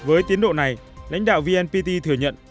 với tiến độ này lãnh đạo vnpt thừa nhận